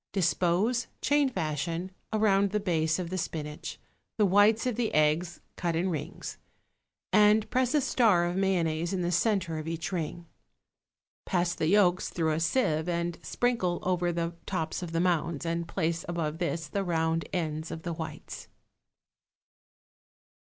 Dispose, chain fashion, around the base of the spinach, the whites of the eggs cut in rings, and press a star of mayonnaise in the centre of each ring. Pass the yolks through a sieve and sprinkle over the tops of the mounds, and place above this the round ends of the whites.